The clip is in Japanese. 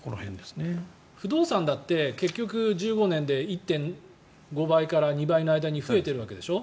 不動産だって結局、１５年で１．５倍から２倍の間に増えてるわけでしょ。